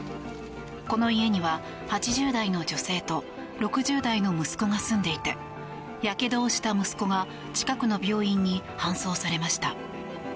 この家には、８０代の女性と６０代の息子が住んでいてやけどをした息子が近くの病院に搬送されました。